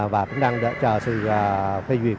và cũng đang chờ sự phê duyệt